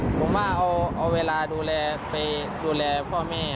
ผมว่าเอาเวลาดูแลไปดูแลพ่อแม่